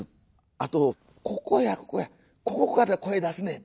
あと「ここやここやここから声出すねん」